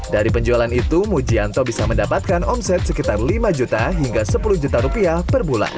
dari penjualan itu mujianto bisa mendapatkan omset sekitar lima juta hingga sepuluh juta rupiah per bulan